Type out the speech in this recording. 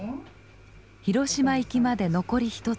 広島行きまで残りひとつき。